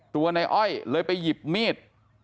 ตัวในอ้อยเลยไปหยิบมีด